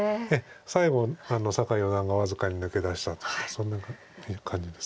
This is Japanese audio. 最後酒井四段が僅かに抜け出したとそんな感じです。